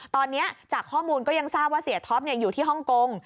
ตอนนี้จากข้อมูลก็ยังทราบว่าเสียท็อปอยู่ที่ฮ่องกง